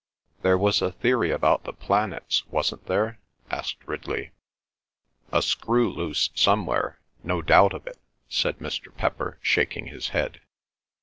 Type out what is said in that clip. "There was a theory about the planets, wasn't there?" asked Ridley. "A screw loose somewhere, no doubt of it," said Mr. Pepper, shaking his head.